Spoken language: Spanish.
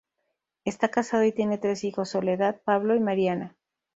Está casado y tiene tres hijos: Soledad, Pablo y Mariana.